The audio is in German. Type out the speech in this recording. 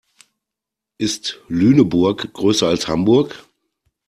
Ist Lüneburg größer als Hamburg?